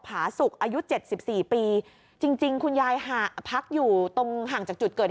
ผาสุกอายุเจ็ดสิบสี่ปีจริงคุณยายพักอยู่ตรงห่างจากจุดเกิด